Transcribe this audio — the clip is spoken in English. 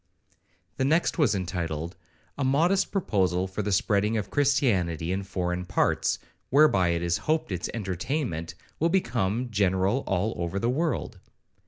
The next was entitled, 'A modest proposal for the spreading of Christianity in foreign parts, whereby it is hoped its entertainment will become general all over the world.'